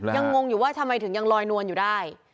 งงอยู่ว่าทำไมถึงยังลอยนวลอยู่ได้